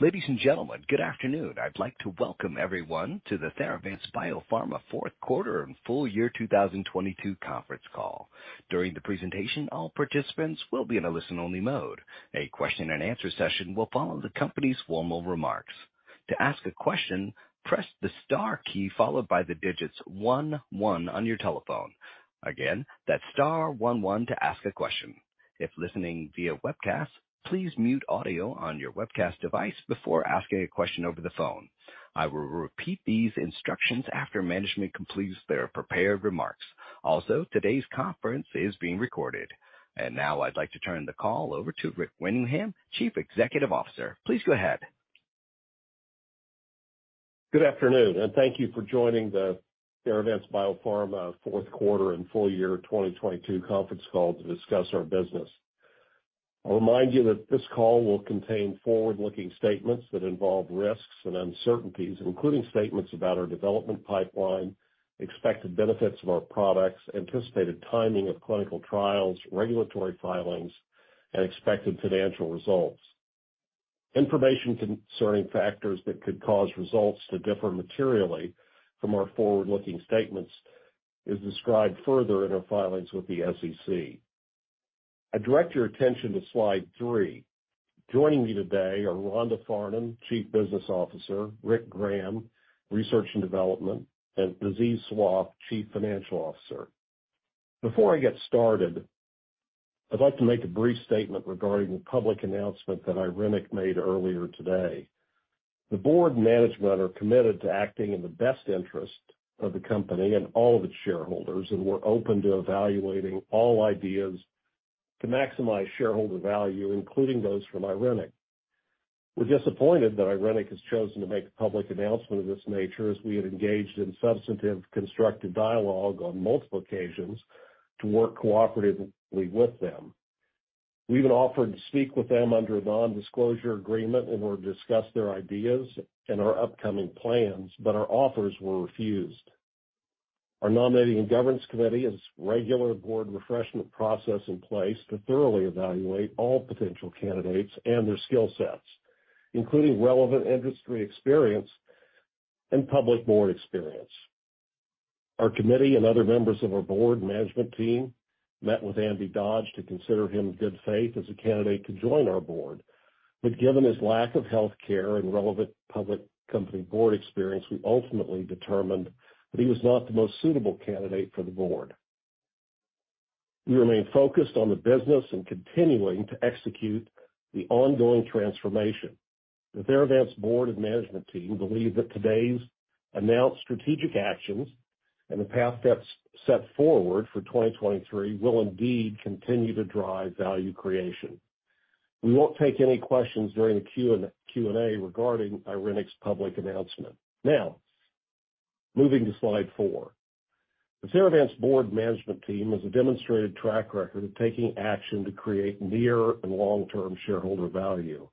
Ladies and gentlemen, good afternoon. I'd like to welcome everyone to the Theravance Biopharma Q4 and Full Year 2022 Conference Call. During the presentation, all participants will be in a listen-only mode. A question and answer session will follow the company's formal remarks. To ask a question, press the star key followed by the digits one one on your telephone. Again, that's star one one to ask a question. If listening via webcast, please mute audio on your webcast device before asking a question over the phone. I will repeat these instructions after management completes their prepared remarks. Also, today's conference is being recorded. Now I'd like to turn the call over to Rick Winningham, Chief Executive Officer. Please go ahead. Good afternoon, thank you for joining the Theravance Biopharma Q4 and Full Year 2022 Conference Call to discuss our business. I'll remind you that this call will contain forward-looking statements that involve risks and uncertainties, including statements about our development pipeline, expected benefits of our products, anticipated timing of clinical trials, regulatory filings, and expected financial results. Information concerning factors that could cause results to differ materially from our forward-looking statements is described further in our filings with the SEC. I direct your attention to Slide 3. Joining me today are Rhonda Farnum, Chief Business Officer, Rick Graham, Research & Development, and Aziz Sawaf, Chief Financial Officer. Before I get started, I'd like to make a brief statement regarding the public announcement that Irenic made earlier today. The board and management are committed to acting in the best interest of the company and all of its shareholders, and we're open to evaluating all ideas to maximize shareholder value, including those from Irenic. We're disappointed that Irenic has chosen to make a public announcement of this nature, as we have engaged in substantive constructive dialogue on multiple occasions to work cooperatively with them. We even offered to speak with them under a non-disclosure agreement in order to discuss their ideas and our upcoming plans, but our offers were refused. Our nominating and governance committee has regular board refreshment process in place to thoroughly evaluate all potential candidates and their skill sets, including relevant industry experience and public board experience. Our committee and other members of our board management team met with Andy Dodge to consider him in good faith as a candidate to join our board. Given his lack of healthcare and relevant public company board experience, we ultimately determined that he was not the most suitable candidate for the board. We remain focused on the business and continuing to execute the ongoing transformation. The Theravance board and management team believe that today's announced strategic actions and the path set forward for 2023 will indeed continue to drive value creation. We won't take any questions during the Q&A regarding Irenic's public announcement. Moving to Slide 4. The Theravance board management team has a demonstrated track record of taking action to create near and long-term shareholder value.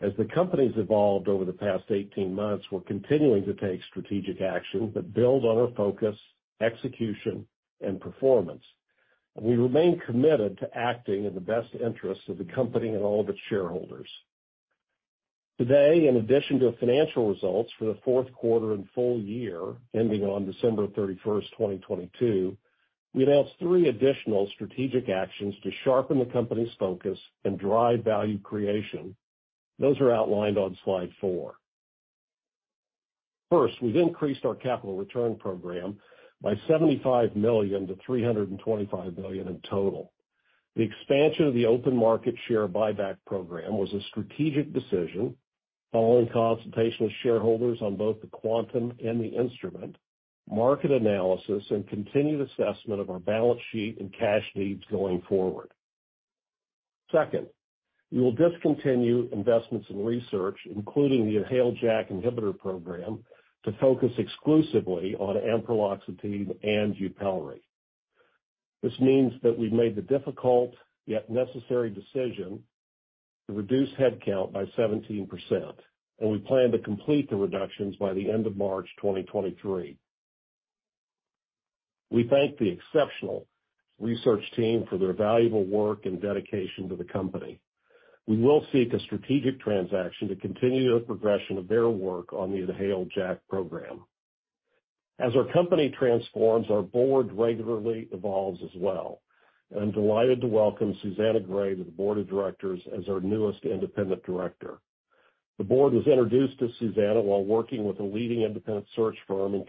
As the company's evolved over the past 18 months, we're continuing to take strategic action that build on our focus, execution, and performance. We remain committed to acting in the best interests of the company and all of its shareholders. Today, in addition to financial results for the Q4 and full year ending on December 31st, 2022, we announced three additional strategic actions to sharpen the company's focus and drive value creation. Those are outlined on Slide 4. First, we've increased our capital return program by $75 million to $325 million in total. The expansion of the open market share buyback program was a strategic decision following consultation with shareholders on both the quantum and the instrument, market analysis and continued assessment of our balance sheet and cash needs going forward. Second, we will discontinue investments in research, including the inhaled JAK inhibitor program, to focus exclusively on Ampreloxetine and YUPELRI. This means that we've made the difficult yet necessary decision to reduce headcount by 17%, and we plan to complete the reductions by the end of March 2023 We thank the exceptional research team for their valuable work and dedication to the company. We will seek a strategic transaction to continue the progression of their work on the inhaled JAK program. As our company transforms, our board regularly evolves as well. I'm delighted to welcome Susannah Gray to the board of directors as our newest independent director. The board was introduced to Susannah while working with a leading independent search firm in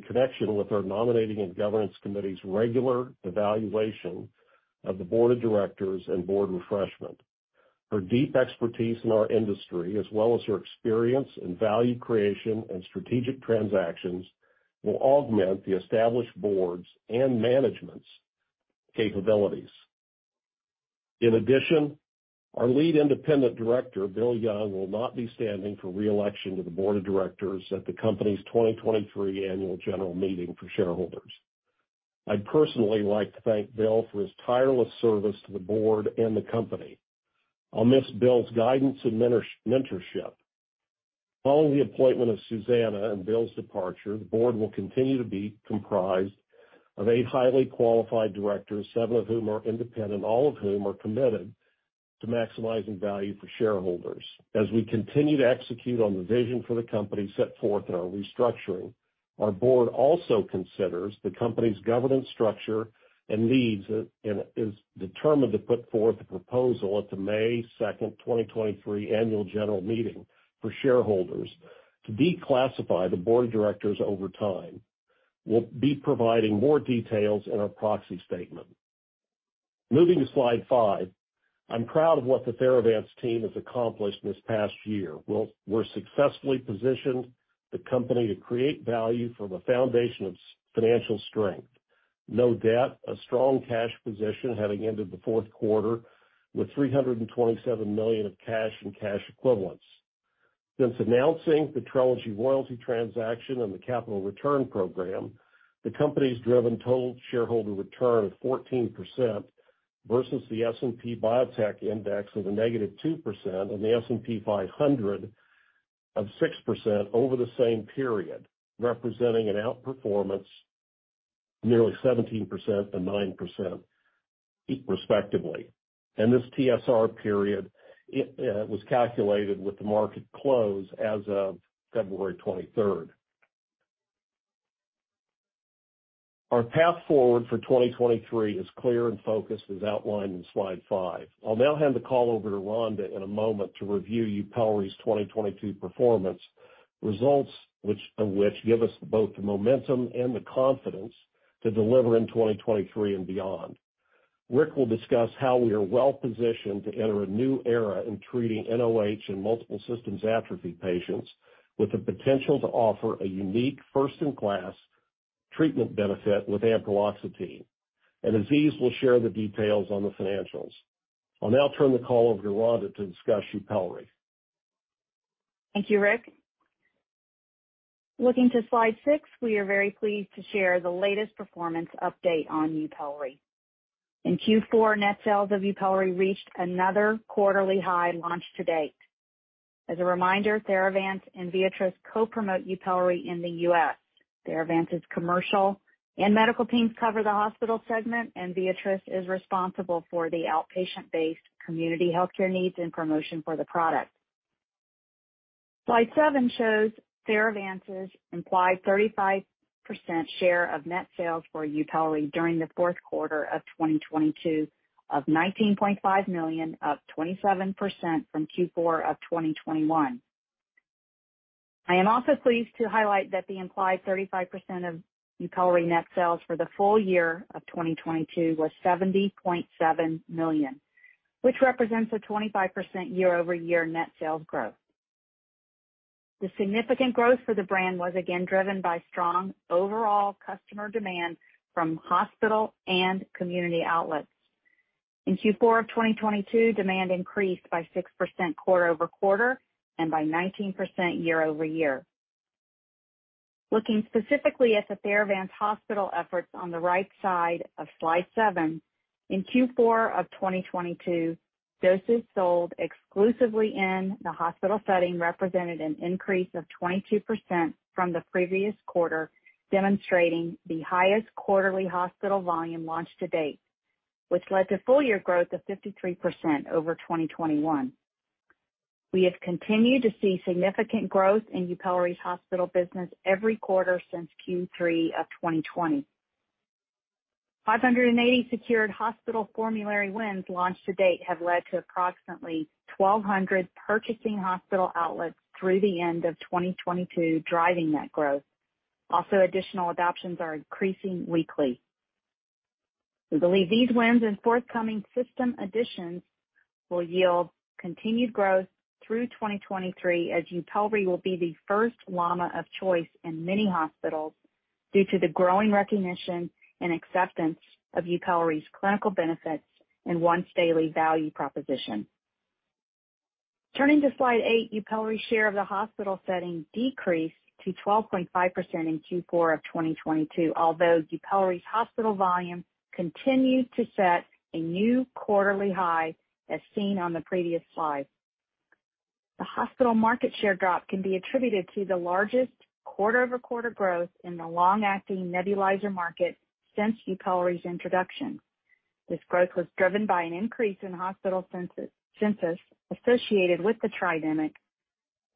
connection with our nominating and governance committee's regular evaluation of the board of directors and board refreshment. Her deep expertise in our industry as well as her experience in value creation and strategic transactions will augment the established boards' and management's capabilities. Our Lead Independent Director, Bill Young, will not be standing for re-election to the board of directors at the company's 2023 annual general meeting for shareholders. I'd personally like to thank Bill for his tireless service to the board and the company. I'll miss Bill's guidance and mentorship. Following the appointment of Susannah and Bill's departure, the board will continue to be comprised of 8 highly qualified directors, 7 of whom are independent, all of whom are committed to maximizing value for shareholders. As we continue to execute on the vision for the company set forth in our restructuring, our board also considers the company's governance structure and needs and is determined to put forth a proposal at the May 2, 2023 annual general meeting for shareholders to declassify the board of directors over time. We'll be providing more details in our proxy statement. Moving to Slide 5. I'm proud of what the Theravance team has accomplished this past year. We're successfully positioned the company to create value from a foundation of financial strength. No debt, a strong cash position, having ended the Q4 with $327 million of cash and cash equivalents. Since announcing the TRELEGY royalty transaction and the capital return program, the company's driven total shareholder return of 14% versus the S&P Biotech Index of -2% and the S&P 500 of 6% over the same period, representing an outperformance nearly 17% and 9% respectively. This TSR period it was calculated with the market close as of February 23rd. Our path forward for 2023 is clear and focused, as outlined in Slide 5. I'll now hand the call over to Rhonda in a moment to review YUPELRI's 2022 performance results, of which give us both the momentum and the confidence to deliver in 2023 and beyond. Rick will discuss how we are well-positioned to enter a new era in treating nOH and multiple systems atrophy patients with the potential to offer a unique first-in-class treatment benefit with Ampreloxetine. Aziz will share the details on the financials. I'll now turn the call over to Rhonda to discuss YUPELRI. Thank you, Rick. Looking to Slide 6. We are very pleased to share the latest performance update on YUPELRI. In Q4 net sales of YUPELRI reached another quarterly high launch to date. As a reminder, Theravance and Viatris co-promote YUPELRI in the U.S. Theravance's commercial and medical teams cover the hospital segment, and Viatris is responsible for the outpatient-based community healthcare needs and promotion for the product. Slide 7 shows Theravance's implied 35% share of net sales for YUPELRI during the Q4 of 2022 of $19.5 million, up 27% from Q4 of 2021. I am also pleased to highlight that the implied 35% of YUPELRI net sales for the full year of 2022 was $70.7 million, which represents a 25% year-over-year net sales growth. The significant growth for the brand was again driven by strong overall customer demand from hospital and community outlets. In Q4 of 2022, demand increased by 6% quarter-over-quarter and by 19% year-over-year. Looking specifically at the Theravance hospital efforts on the right side of Slide 7. In Q4 of 2022, doses sold exclusively in the hospital setting represented an increase of 22% from the previous quarter, demonstrating the highest quarterly hospital volume launched to date, which led to full year growth of 53% over 2021. We have continued to see significant growth in YUPELRI's hospital business every quarter since Q3 of 2020. 580 secured hospital formulary wins launched to date have led to approximately 1,200 purchasing hospital outlets through the end of 2022, driving net growth. Additional adoptions are increasing weekly. We believe these wins and forthcoming system additions will yield continued growth through 2023 as YUPELRI will be the first LAMA of choice in many hospitals due to the growing recognition and acceptance of YUPELRI's clinical benefits and once-daily value proposition. Turning to Slide 8. YUPELRI's share of the hospital setting decreased to 12.5% in Q4 of 2022, although YUPELRI's hospital volume continued to set a new quarterly high, as seen on the previous slide. The hospital market share drop can be attributed to the largest quarter-over-quarter growth in the long-acting nebulizer market since YUPELRI's introduction. This growth was driven by an increase in hospital census associated with the tridemic,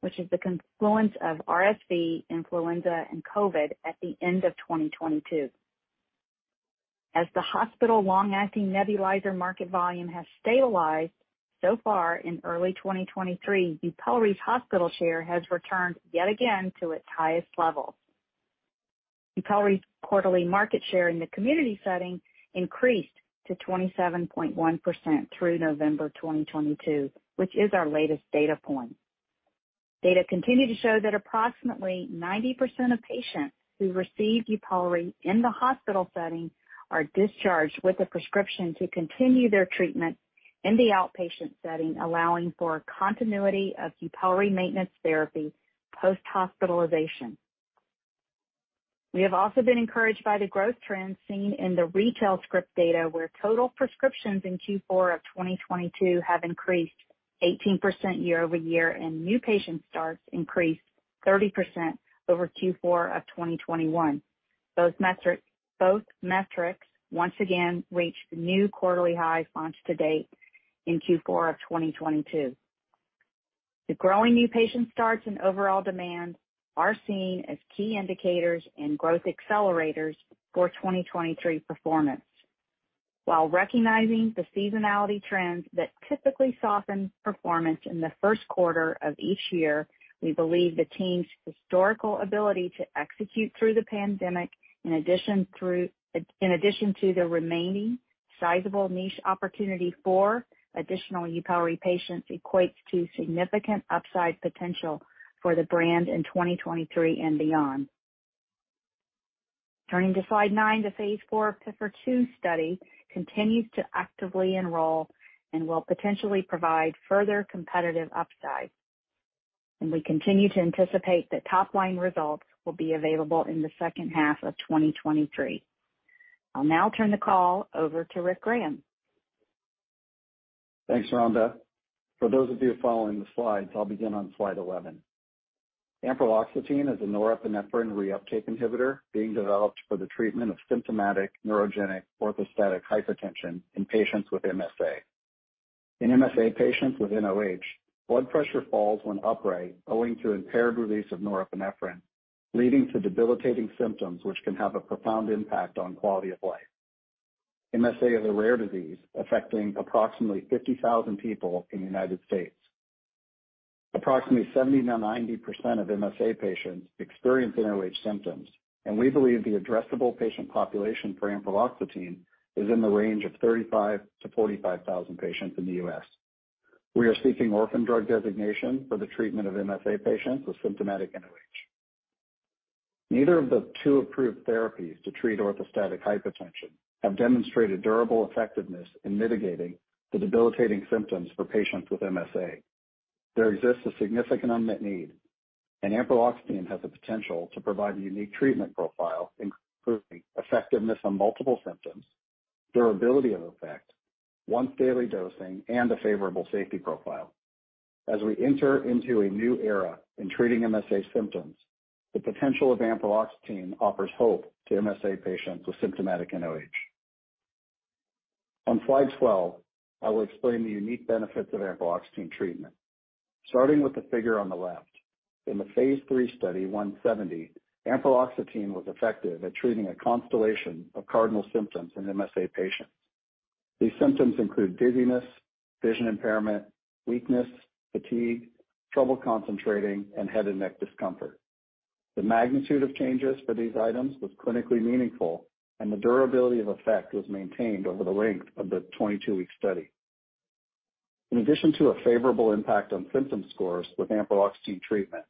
which is the confluence of RSV, influenza, and COVID, at the end of 2022. The hospital long-acting nebulizer market volume has stabilized, so far in early 2023, YUPELRI's hospital share has returned yet again to its highest level. YUPELRI's quarterly market share in the community setting increased to 27.1% through November 2022, which is our latest data point. Data continue to show that approximately 90% of patients who receive YUPELRI in the hospital setting are discharged with a prescription to continue their treatment in the outpatient setting, allowing for continuity of YUPELRI maintenance therapy post-hospitalization. We have also been encouraged by the growth trends seen in the retail script data, where total prescriptions in Q4 of 2022 have increased 18% year-over-year, and new patient starts increased 30% over Q4 of 2021. Both metrics once again reached new quarterly highs launched to date in Q4 of 2022. The growing new patient starts and overall demand are seen as key indicators and growth accelerators for 2023 performance. While recognizing the seasonality trends that typically soften performance in the Q1 of each year, we believe the team's historical ability to execute through the pandemic, in addition to the remaining sizable niche opportunity for additional YUPELRI patients, equates to significant upside potential for the brand in 2023 and beyond. Turning to Slide 9. The Phase 4 PIFR-2 study continues to actively enroll and will potentially provide further competitive upside. We continue to anticipate that top line results will be available in the second half of 2023. I'll now turn the call over to Rick Graham. Thanks, Rhonda. For those of you following the slides, I'll begin on Slide 11. Ampreloxetine is a norepinephrine reuptake inhibitor being developed for the treatment of symptomatic neurogenic orthostatic hypotension in patients with MSA. In MSA patients with nOH, blood pressure falls when upright owing to impaired release of norepinephrine, leading to debilitating symptoms which can have a profound impact on quality of life. MSA is a rare disease affecting approximately 50,000 people in the U.S. Approximately 70%-90% of MSA patients experience nOH symptoms, and we believe the addressable patient population for Ampreloxetine is in the range of 35,000-45,000 patients in the U.S. We are seeking Orphan Drug Designation for the treatment of MSA patients with symptomatic nOH. Neither of the two approved therapies to treat orthostatic hypotension have demonstrated durable effectiveness in mitigating the debilitating symptoms for patients with MSA. There exists a significant unmet need. Ampreloxetine has the potential to provide a unique treatment profile, including effectiveness on multiple symptoms, durability of effect, once daily dosing, and a favorable safety profile. We enter into a new era in treating MSA symptoms, the potential of Ampreloxetine offers hope to MSA patients with symptomatic nOH. On Slide 12, I will explain the unique benefits of Ampreloxetine treatment. Starting with the figure on the left. In the Phase 3 Study 0170, Ampreloxetine was effective at treating a constellation of cardinal symptoms in MSA patients. These symptoms include dizziness, vision impairment, weakness, fatigue, trouble concentrating, and head and neck discomfort. The magnitude of changes for these items was clinically meaningful. The durability of effect was maintained over the length of the 22-week study. In addition to a favorable impact on symptom scores with Ampreloxetine treatment,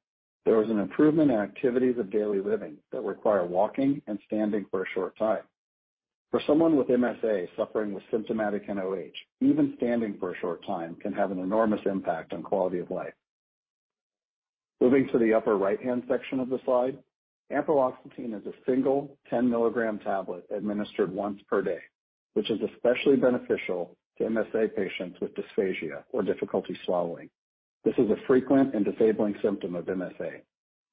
there was an improvement in activities of daily living that require walking and standing for a short time. For someone with MSA suffering with symptomatic nOH, even standing for a short time can have an enormous impact on quality of life. Moving to the upper right-hand section of the slide. Ampreloxetine is a single 10-milligram tablet administered once per day, which is especially beneficial to MSA patients with dysphagia or difficulty swallowing. This is a frequent and disabling symptom of MSA.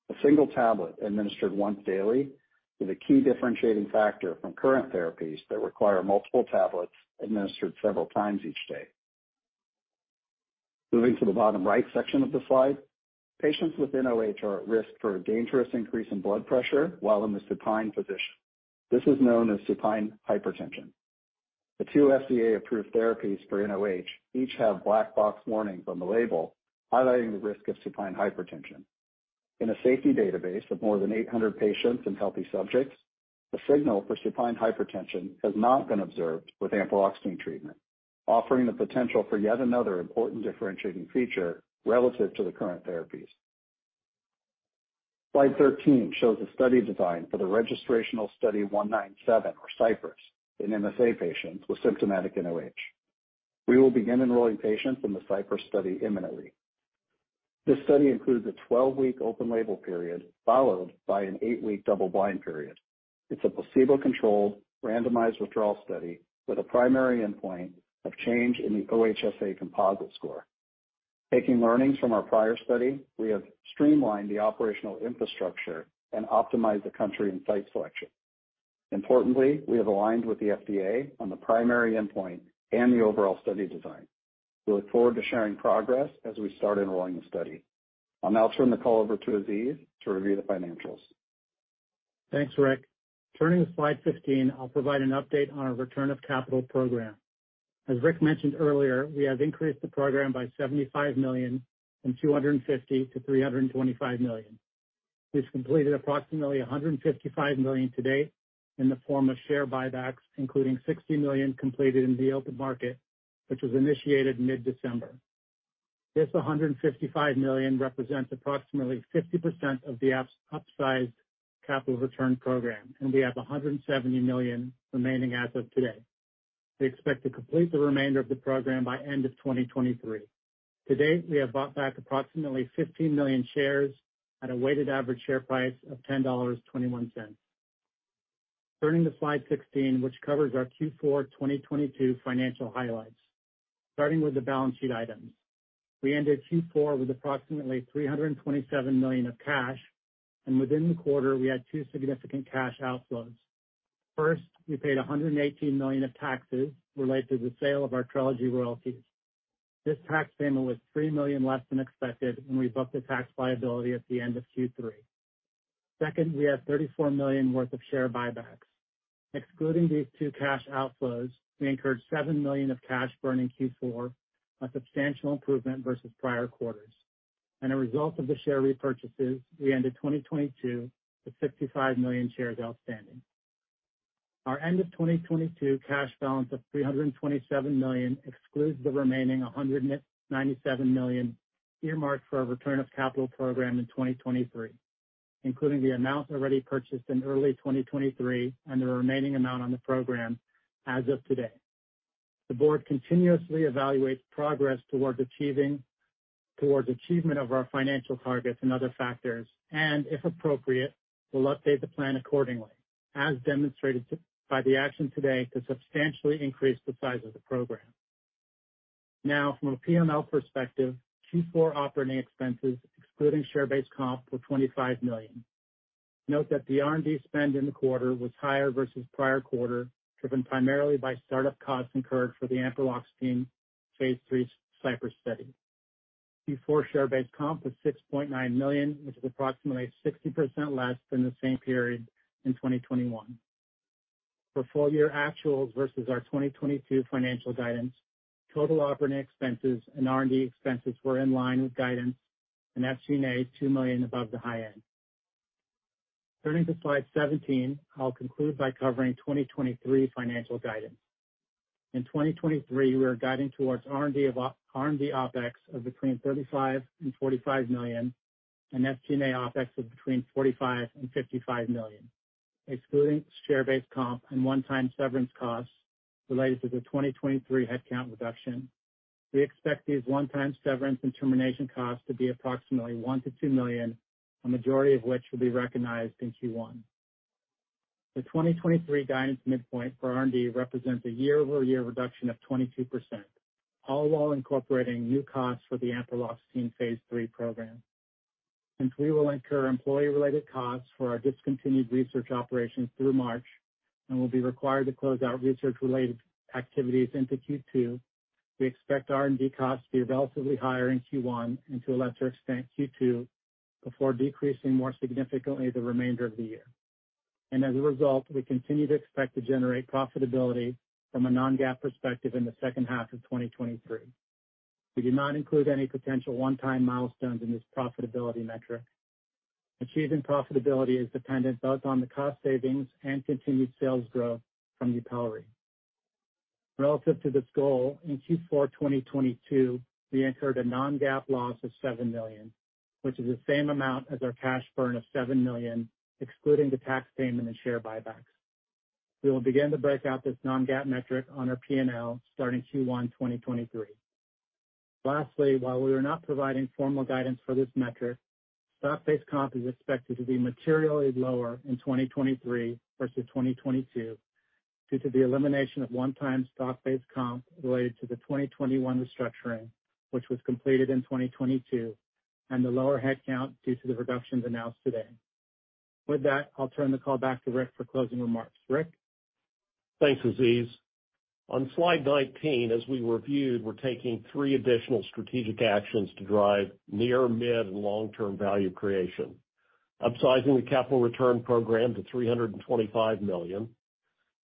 A single tablet administered once daily is a key differentiating factor from current therapies that require multiple tablets administered several times each day. Moving to the bottom right section of the slide. Patients with nOH are at risk for a dangerous increase in blood pressure while in the supine position. This is known as supine hypertension. The two FDA-approved therapies for nOH each have black box warnings on the label highlighting the risk of supine hypertension. In a safety database of more than 800 patients and healthy subjects, the signal for supine hypertension has not been observed with Ampreloxetine treatment, offering the potential for yet another important differentiating feature relative to the current therapies. Slide 13 shows the study design for the registrational Study 0197, or CYPRESS, in MSA patients with symptomatic nOH. We will begin enrolling patients in the CYPRESS study imminently. This study includes a 12-week open-label period followed by an 8-week double blind period. It's a placebo-controlled randomized withdrawal study with a primary endpoint of change in the OHSA composite score. Taking learnings from our prior study, we have streamlined the operational infrastructure and optimized the country and site selection. Importantly, we have aligned with the FDA on the primary endpoint and the overall study design. We look forward to sharing progress as we start enrolling the study. I'll now turn the call over to Aziz to review the financials. Thanks, Rick. Turning to Slide 15, I'll provide an update on our return of capital program. As Rick mentioned earlier, we have increased the program by $75 million from $250 million to $325 million. We've completed approximately $155 million to date in the form of share buybacks, including $60 million completed in the open market, which was initiated mid-December. This $155 million represents approximately 50% of the upsized capital return program, and we have $170 million remaining as of today. We expect to complete the remainder of the program by end of 2023. To date, we have bought back approximately 15 million shares at a weighted average share price of $10.21. Turning to Slide 16, which covers our Q4 2022 financial highlights. Starting with the balance sheet items. We ended Q4 with approximately $327 million of cash, and within the quarter, we had two significant cash outflows. First, we paid $118 million of taxes related to the sale of our TRELEGY royalties. This tax payment was $3 million less than expected, and we booked the tax liability at the end of Q3. Second, we had $34 million worth of share buybacks. Excluding these two cash outflows, we incurred $7 million of cash burn in Q4, a substantial improvement versus prior quarters. A result of the share repurchases, we ended 2022 with 65 million shares outstanding. Our end of 2022 cash balance of $327 million excludes the remaining $197 million earmarked for our return of capital program in 2023, including the amount already purchased in early 2023 and the remaining amount on the program as of today. The board continuously evaluates progress towards achievement of our financial targets and other factors, and if appropriate, will update the plan accordingly, as demonstrated to, by the action today to substantially increase the size of the program. From a P&L perspective, Q4 operating expenses excluding share-based comp were $25 million. Note that the R&D spend in the quarter was higher versus prior quarter, driven primarily by startup costs incurred for the Ampreloxetine Phase 3 CYPRESS study. Q4 share-based comp was $6.9 million, which is approximately 60% less than the same period in 2021. For full year actuals versus our 2022 financial guidance, total operating expenses and R&D expenses were in line with guidance and SG&A $2 million above the high end. Turning to Slide 17, I'll conclude by covering 2023 financial guidance. In 2023, we are guiding towards R&D OpEx of between $35 million and $45 million and SG&A OpEx of between $45 million and $55 million, excluding share-based comp and one-time severance costs related to the 2023 headcount reduction. We expect these one-time severance and termination costs to be approximately $1 million-$2 million, a majority of which will be recognized in Q1. The 2023 guidance midpoint for R&D represents a year-over-year reduction of 22%, all while incorporating new costs for the ampreloxetine Phase 3 program. Since we will incur employee-related costs for our discontinued research operations through March and will be required to close out research-related activities into Q2, we expect R&D costs to be relatively higher in Q1 and to a lesser extent Q2, before decreasing more significantly the remainder of the year. As a result, we continue to expect to generate profitability from a non-GAAP perspective in the second half of 2023. We do not include any potential one-time milestones in this profitability metric. Achieving profitability is dependent both on the cost savings and continued sales growth from YUPELRI. Relative to this goal, in Q4 2022, we incurred a non-GAAP loss of $7 million, which is the same amount as our cash burn of $7 million, excluding the tax payment and share buybacks. We will begin to break out this non-GAAP metric on our P&L starting Q1 2023. Lastly, while we are not providing formal guidance for this metric, stock-based comp is expected to be materially lower in 2023 versus 2022 due to the elimination of one-time stock-based comp related to the 2021 restructuring, which was completed in 2022, and the lower headcount due to the reductions announced today. With that, I'll turn the call back to Rick for closing remarks. Rick? Thanks, Aziz. On Slide 19, as we reviewed, we're taking three additional strategic actions to drive near, mid, and long-term value creation. Upsizing the capital return program to $325 million.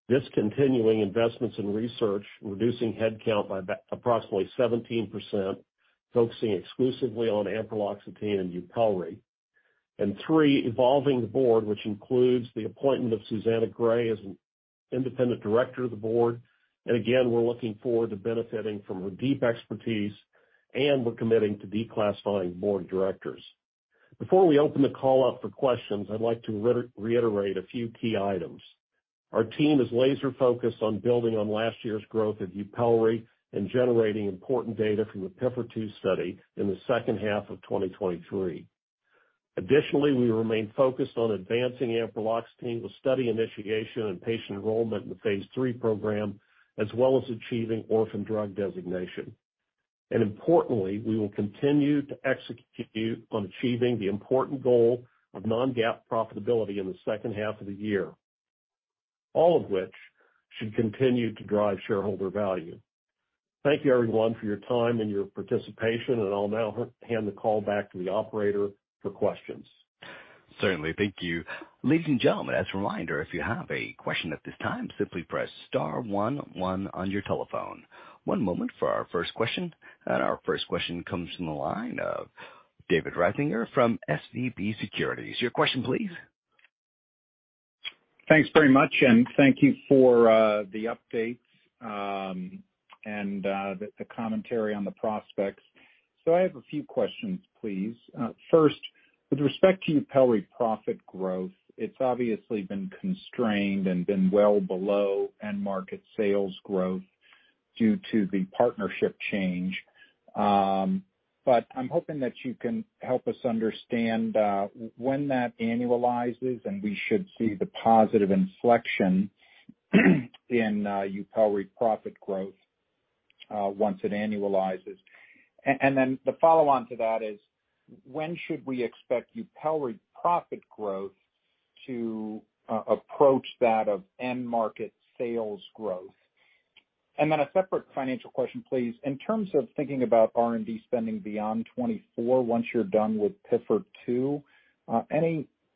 Discontinuing investments in research, reducing headcount by approximately 17%, focusing exclusively on Ampreloxetine and YUPELRI. Three, evolving the Board, which includes the appointment of Susannah Gray as an independent director of the Board. Again, we're looking forward to benefiting from her deep expertise, and we're committing to declassifying Board directors. Before we open the call up for questions, I'd like to reiterate a few key items. Our team is laser-focused on building on last year's growth of YUPELRI and generating important data from the PIFR-2 study in the second half of 2023. Additionally, we remain focused on advancing Ampreloxetine with study initiation and patient enrollment in the Phase 3 program, as well as achieving Orphan Drug Designation. Importantly, we will continue to execute on achieving the important goal of non-GAAP profitability in the second half of the year, all of which should continue to drive shareholder value. Thank you everyone for your time and your participation, and I'll now hand the call back to the operator for questions. Certainly. Thank you. Ladies and gentlemen, as a reminder, if you have a question at this time, simply press star one one on your telephone. One moment for our first question. Our first question comes from the line of David Risinger from SVB Securities. Your question please. Thanks very much, and thank you for the updates, and the commentary on the prospects. I have a few questions, please. First, with respect to YUPELRI profit growth, it's obviously been constrained and been well below end market sales growth due to the partnership change. I'm hoping that you can help us understand when that annualizes, and we should see the positive inflection in YUPELRI profit growth once it annualizes. Then the follow on to that is when should we expect YUPELRI profit growth to approach that of end market sales growth? Then a separate financial question, please. In terms of thinking about R&D spending beyond 2024 once you're done with PIFR-2,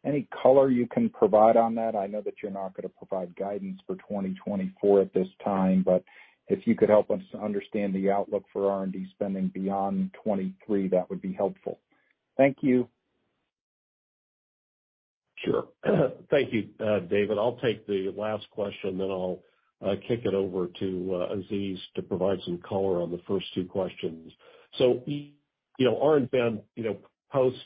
any color you can provide on that? I know that you're not gonna provide guidance for 2024 at this time, but if you could help us understand the outlook for R&D spending beyond 2023, that would be helpful. Thank you. Sure. Thank you, David. I'll take the last question, then I'll kick it over to Aziz to provide some color on the first two questions. You know, R&D spend, you know, post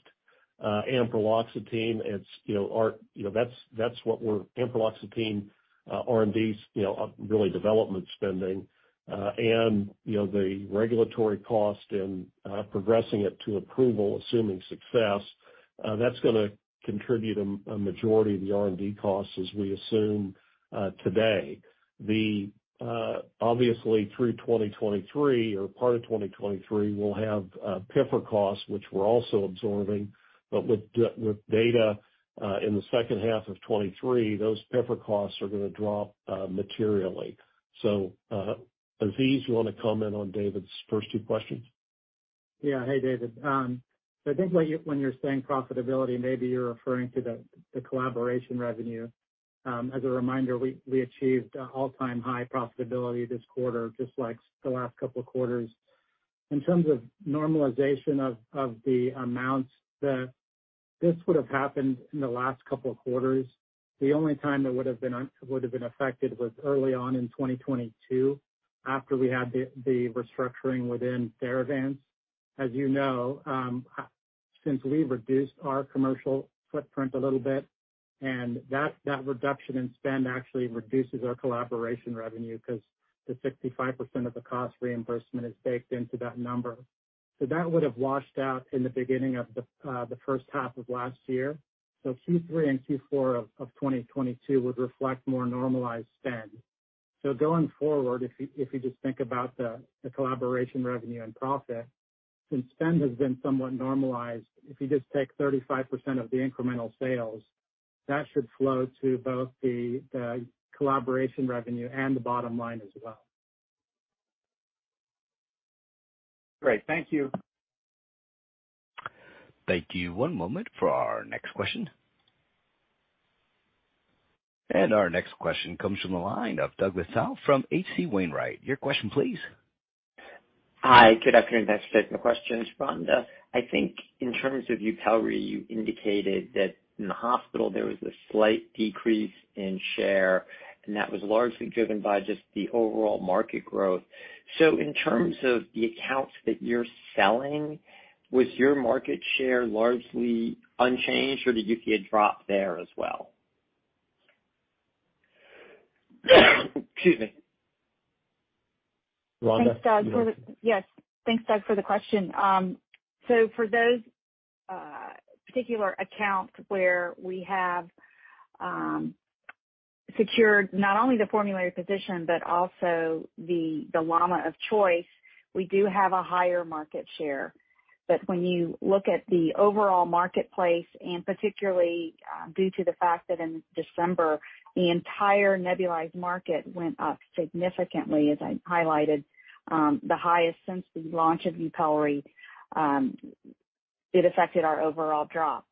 Ampreloxetine, it's, you know, our... You know, that's what we're Ampreloxetine, R&D's, you know, really development spending. You know, the regulatory cost and progressing it to approval, assuming success, that's gonna contribute a majority of the R&D costs as we assume, today. The obviously through 2023 or part of 2023, we'll have PIFR costs, which we're also absorbing. With data in the second half of 2023, those PIFR costs are gonna drop materially. Aziz, you wanna comment on David's first two questions? Yeah. Hey, David. When you're saying profitability, maybe you're referring to the collaboration revenue. As a reminder, we achieved all-time high profitability this quarter, just like the last couple quarters. In terms of normalization of the amounts, this would have happened in the last couple of quarters. The only time it would've been affected was early on in 2022, after we had the restructuring within Theravance. As you know, since we reduced our commercial footprint a little bit, that reduction in spend actually reduces our collaboration revenue because the 65% of the cost reimbursement is baked into that number. That would have washed out in the beginning of the first half of last year. Q3 and Q4 of 2022 would reflect more normalized spend. Going forward, if you just think about the collaboration revenue and profit, since spend has been somewhat normalized. If you just take 35% of the incremental sales, that should flow to both the collaboration revenue and the bottom line as well. Great. Thank you. Thank you. One moment for our next question. Our next question comes from the line of Douglas Tsao from H.C. Wainwright. Your question please. Hi. Good afternoon. Thanks for taking the questions, Rhonda. I think in terms of YUPELRI, you indicated that in the hospital there was a slight decrease in share, and that was largely driven by just the overall market growth. In terms of the accounts that you're selling, was your market share largely unchanged, or did you see a drop there as well? Excuse me. Rhonda, you want- Yes. Thanks, Doug, for the question. For those particular accounts where we have secured not only the formulary position, but also the LAMA of choice, we do have a higher market share. When you look at the overall marketplace, and particularly, due to the fact that in December the entire nebulized market went up significantly, as I highlighted, the highest since the launch of YUPELRI, it affected our overall drop.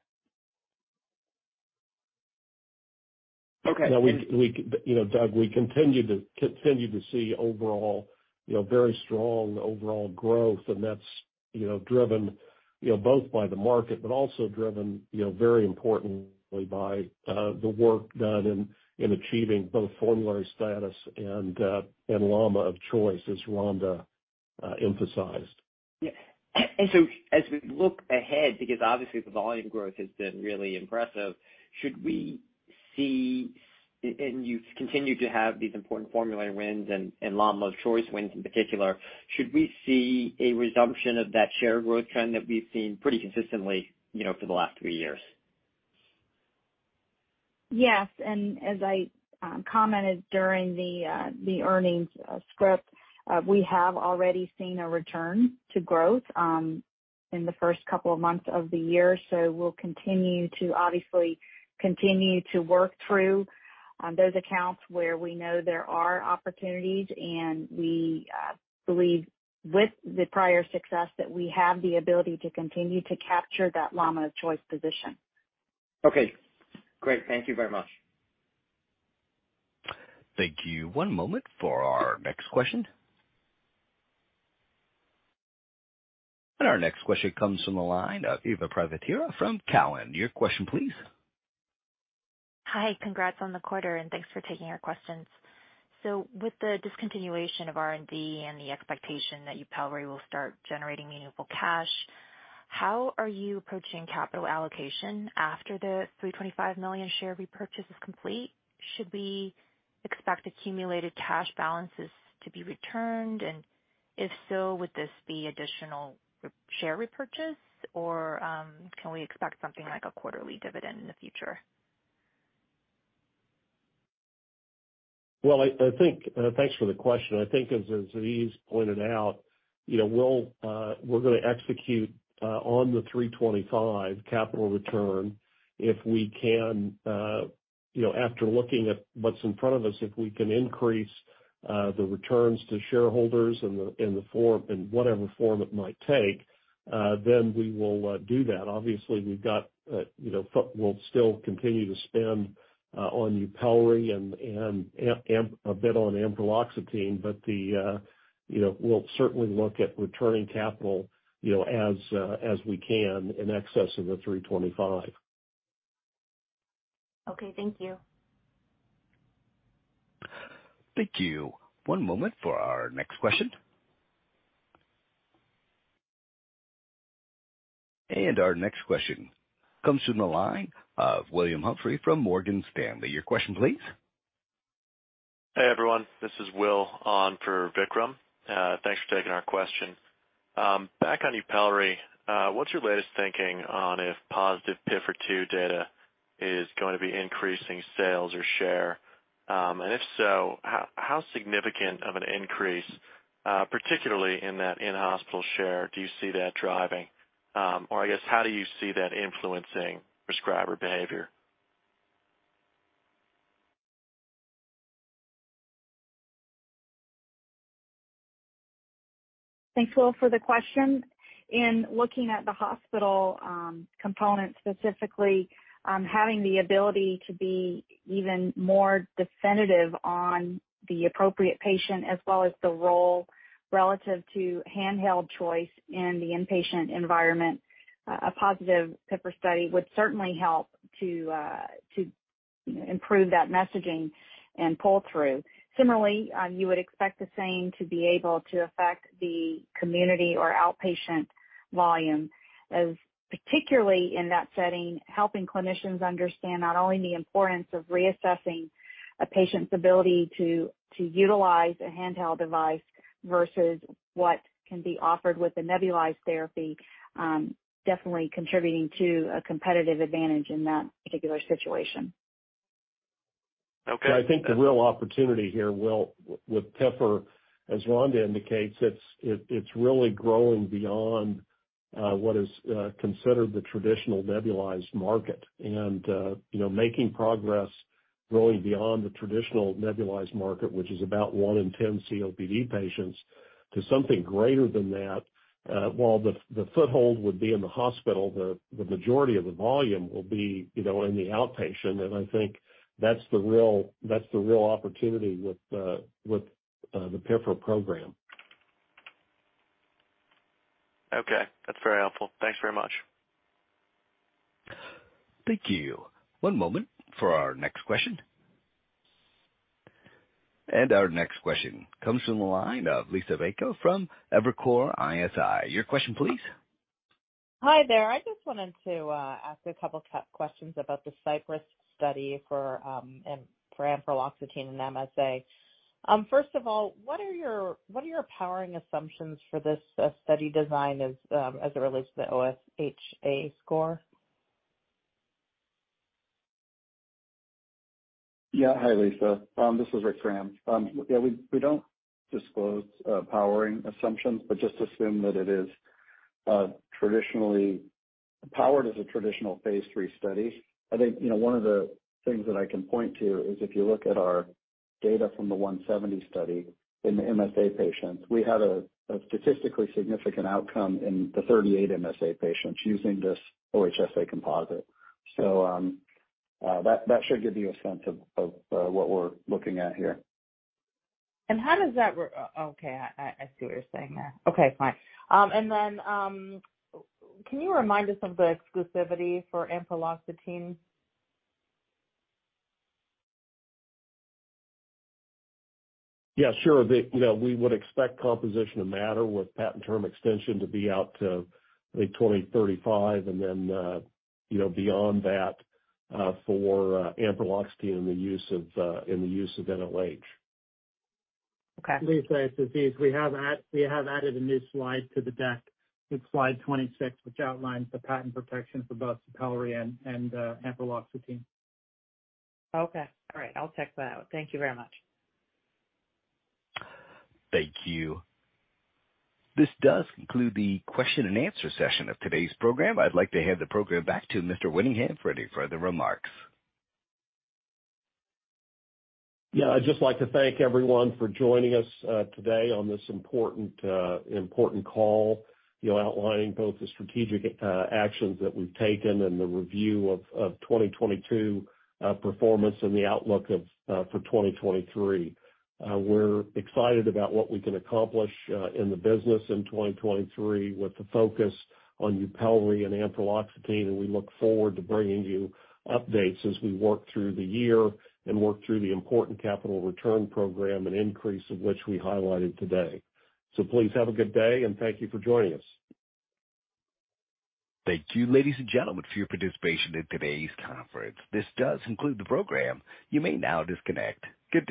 Okay. Now we, you know, Doug, we continue to see overall, you know, very strong overall growth, and that's, you know, driven, you know, both by the market, but also driven, you know, very importantly by the work done in achieving both formulary status and LAMA of choice, as Rhonda emphasized. Yeah. As we look ahead, because obviously the volume growth has been really impressive, you've continued to have these important formulary wins and LAMA of choice wins in particular. Should we see a resumption of that share growth trend that we've seen pretty consistently, you know, for the last three years? Yes. As I commented during the earnings script, we have already seen a return to growth in the first couple of months of the year. We'll continue to, obviously, continue to work through those accounts where we know there are opportunities, and we believe with the prior success that we have the ability to continue to capture that LAMA of choice position. Okay. Great. Thank you very much. Thank you. One moment for our next question. Our next question comes from the line of Eva Privitera from Cowen. Your question please. Hi. Congrats on the quarter, and thanks for taking our questions. With the discontinuation of R&D and the expectation that YUPELRI will start generating meaningful cash, how are you approaching capital allocation after the $325 million share repurchase is complete? Should we expect accumulated cash balances to be returned? If so, would this be additional share repurchase or can we expect something like a quarterly dividend in the future? Well, I think, thanks for the question. I think as Aziz pointed out, you know, we'll, we're gonna execute on the $325 capital return if we can, you know, after looking at what's in front of us, if we can increase the returns to shareholders in the, in the form, in whatever form it might take, then we will do that. Obviously, we've got, you know, we'll still continue to spend on YUPELRI and, a bit on Ampreloxetine, but, you know, we'll certainly look at returning capital, you know, as we can in excess of the $325. Okay, thank you. Thank you. One moment for our next question. Our next question comes from the line of William Humphrey from Morgan Stanley. Your question please. Hey, everyone. This is Will on for Vikram. Thanks for taking our question. Back on YUPELRI. What's your latest thinking on if positive PIFR two data is gonna be increasing sales or share, and if so, how significant of an increase, particularly in that in-hospital share, do you see that driving? Or I guess, how do you see that influencing prescriber behavior? Thanks, Will, for the question. In looking at the hospital component specifically, having the ability to be even more definitive on the appropriate patient as well as the role relative to handheld choice in the inpatient environment, a positive PIFR study would certainly help to improve that messaging and pull through. Similarly, you would expect the same to be able to affect the community or outpatient volume. Particularly in that setting, helping clinicians understand not only the importance of reassessing a patient's ability to utilize a handheld device versus what can be offered with the nebulized therapy, definitely contributing to a competitive advantage in that particular situation. Okay. I think the real opportunity here, Will, with PIFR, as Rhonda indicates, it's really growing beyond what is considered the traditional nebulized market. You know, making progress really beyond the traditional nebulized market, which is about 1 in 10 COPD patients, to something greater than that, while the foothold would be in the hospital, the majority of the volume will be, you know, in the outpatient. I think that's the real opportunity with the PIFR program. Okay. That's very helpful. Thanks very much. Thank you. One moment for our next question. Our next question comes from the line of Liisa Bayko from Evercore ISI. Your question please. Hi, there. I just wanted to ask a couple questions about the CYPRESS study for ampreloxetine in MSA. First of all, what are your powering assumptions for this study design as it relates to the OHSA composite score? Yeah. Hi, Liisa. This is Rick Graham. We don't disclose powering assumptions, but just assume that it is traditionally powered as a traditional Phase 3 study. I think, you know, one of the things that I can point to is if you look at our data from the Study 0170 in the MSA patients, we had a statistically significant outcome in the 38 MSA patients using this OHSA composite. That should give you a sense of what we're looking at here. How does that okay, I see what you're saying there. Okay, fine. Can you remind us of the exclusivity for ampreloxetine? Yeah, sure. You know, we would expect composition of matter with patent term extension to be out to, I think, 2035, and then, you know, beyond that, for ampreloxetine in the use of, in the use of nOH. Okay. Liisa, it's Aziz. We have added a new slide to the deck. It's Slide 26, which outlines the patent protections for both YUPELRI and Ampreloxetine. Okay. All right. I'll check that out. Thank you very much. Thank you. This does conclude the question and answer session of today's program. I'd like to hand the program back to Mr. Winningham for any further remarks. I'd just like to thank everyone for joining us today on this important call, you know, outlining both the strategic actions that we've taken and the review of 2022 performance and the outlook for 2023. We're excited about what we can accomplish in the business in 2023 with the focus on YUPELRI and Ampreloxetine, we look forward to bringing you updates as we work through the year and work through the important capital return program, an increase of which we highlighted today. Please have a good day, and thank you for joining us. Thank you, ladies and gentlemen, for your participation in today's conference. This does conclude the program. You may now disconnect. Good day.